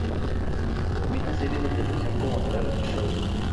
Transmite series de televisión, así como talk shows.